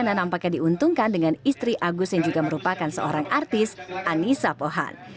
nampaknya diuntungkan dengan istri agus yang juga merupakan seorang artis anissa pohan